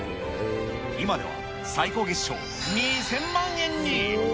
今では最高月商２０００万円に。